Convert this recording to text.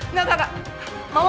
enggak enggak enggak